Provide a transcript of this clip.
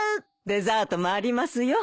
デザートもありますよ。